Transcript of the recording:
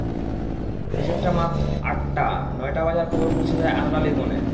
হিসাব মতো আটটা, নয়টা বাজার খবর পৌঁছে যায় আনর আলীর মনে।